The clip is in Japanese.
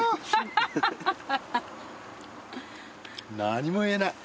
何も言えない。